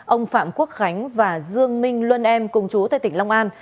ông phạm quốc khánh và dương minh luân em cùng chú tại tỉnh đồng nai